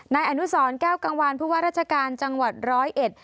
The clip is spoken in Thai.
นายอนุสรแก้วกังวานผู้ว่าราชการจังหวัดร้อยเอ็ด